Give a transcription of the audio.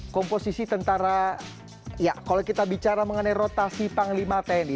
komposisi tentara ya kalau kita bicara mengenai rotasi panglima tni